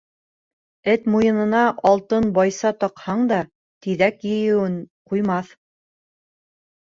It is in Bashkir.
Эт муйынына алтын байса таҡһаң да тиҙәк ейеүен ҡуймаҫ.